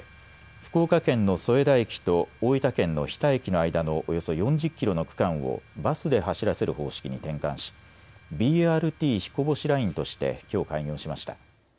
福岡県の添田駅と大分県の日田駅の間のおよそ４０キロの区間をバスで走らせる方式に転換しＢＲＴひこぼしラインとしてきょう開業しました。